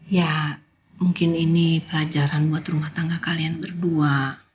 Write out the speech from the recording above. ya mungkin ini pelajaran buat rumah tangga kalian berdua